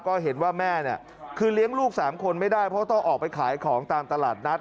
ก็เห็นว่าแม่เนี่ยคือเลี้ยงลูก๓คนไม่ได้เพราะต้องออกไปขายของตามตลาดนัด